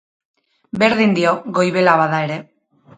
Berdin dio goibela bada ere.